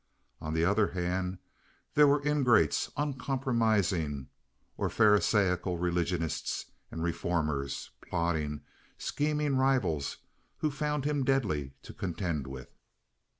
On the other hand, there were ingrates, uncompromising or pharasaical religionists and reformers, plotting, scheming rivals, who found him deadly to contend with.